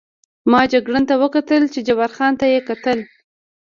ما جګړن ته وکتل، چې جبار خان ته یې کتل.